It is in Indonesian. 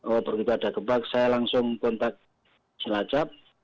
oh begitu ada gembak saya langsung kontak jelajap